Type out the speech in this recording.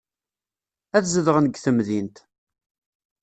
Ad zedɣen deg temdint.